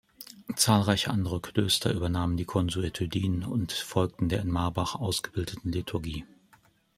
Zahlreiche andere Klöster übernahmen die "Consuetudines" und folgten der in Marbach ausgebildeten Liturgie.